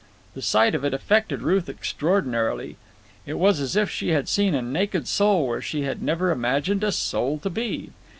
The sight of it affected Ruth extraordinarily. It was as if she had seen a naked soul where she had never imagined a soul to be.